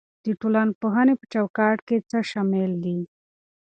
د ټولنپوهنې په چوکاټ کې څه شامل دي؟